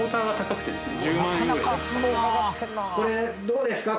これどうですか？